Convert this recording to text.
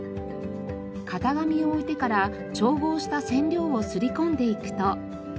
型紙を置いてから調合した染料を擦り込んでいくと。